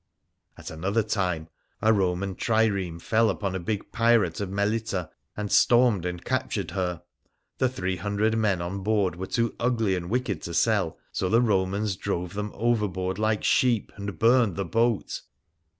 At another time, a Roman trireme fell upon a big pirate of Merita and stormed and captured her. The three hundred men on board were too ugly and wicked to sell, so the Romans drove them overboard like sheep, and burned the boat.